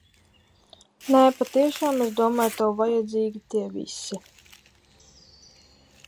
Nē, patiešām, es domāju, tev vajadzīgi tie visi!